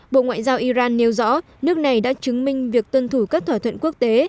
bộ ngoại giao iran nêu rõ nước này đã chứng minh việc tuân thủ các thỏa thuận quốc tế